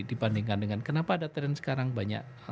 dibandingkan dengan kenapa ada tren sekarang banyak